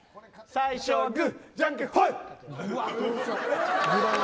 最初はグー、じゃんけんポイ！